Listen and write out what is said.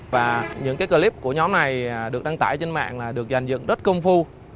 và những clip của nhóm này được đăng tải trên mạng được dành dựng rất công phu